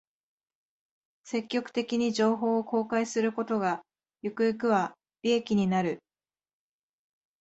積極的に情報を公開することが、ゆくゆくは利益になる